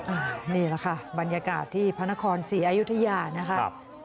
อันนี้แหละค่ะบรรยากาศที่พระนครศรีอยุธยานะครับ